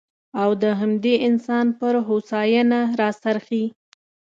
او د همدې انسان پر هوساینه راڅرخي.